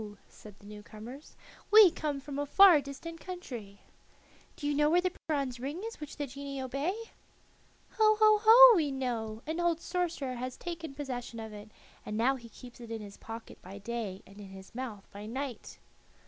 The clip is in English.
said the new comers. "We come from a far distant country." "Do you know where the bronze ring is which the genii obey?" "Ho, ho, ho! we know; an old sorcerer has taken possession of it, and now he keeps it in his pocket by day and in his mouth by night."